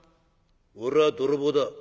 「俺は泥棒だ。